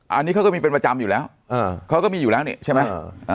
อันนี้เขาก็มีเป็นประจำอยู่แล้วเขาก็มีอยู่แล้วนี่ใช่ไหม